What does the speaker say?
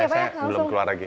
saya belum keluar lagi